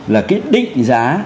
là cái định giá